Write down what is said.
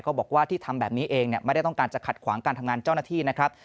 บอกว่าที่ทำแบบนี้เองไม่ได้ต้องการจะขัดขวางการทำงานเจ้าหน้าที่นะครับ